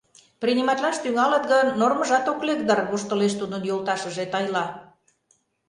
— Приниматлаш тӱҥалыт гын, нормыжат ок лек дыр, — воштылеш тудын йолташыже Тайла.